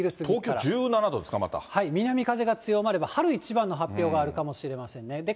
東京１７度ですか、南風が強まれば、春一番の発表があるかもしれませんね。